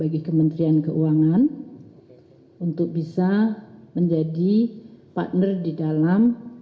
bagi kementerian keuangan untuk bisa menjadi partner di dalam